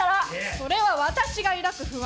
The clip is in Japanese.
それは私が抱く不安。